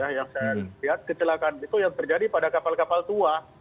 yang saya lihat kecelakaan itu yang terjadi pada kapal kapal tua